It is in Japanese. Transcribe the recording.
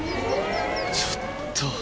ちょっと。